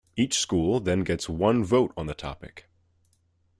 Each school then gets one vote on the topic.